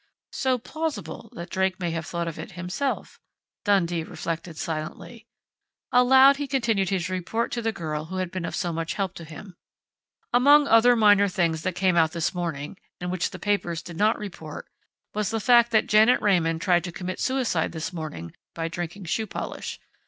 "So plausible that Drake may have thought of it himself," Dundee reflected silently. Aloud, he continued his report to the girl who had been of so much help to him: "Among other minor things that came out this morning, and which the papers did not report, was the fact that Janet Raymond tried to commit suicide this morning by drinking shoe polish.